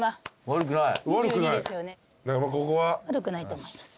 悪くないと思います。